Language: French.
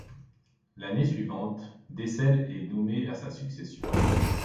L'année suivante, Decelles est nommé à sa succession.